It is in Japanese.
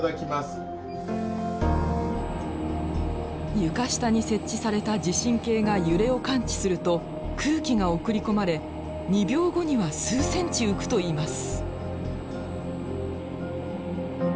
床下に設置された地震計が揺れを感知すると空気が送り込まれ２秒後には数ｃｍ浮くといいます。